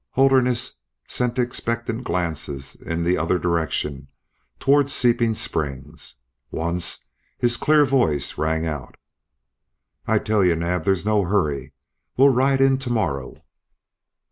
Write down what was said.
Holderness sent expectant glances in the other direction toward Seeping Springs. Once his clear voice rang out: "I tell you, Naab, there's no hurry. We'll ride in tomorrow."